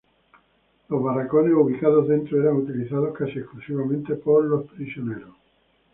Los barracones ubicados dentro eran utilizados casi exclusivamente por los prisioneros.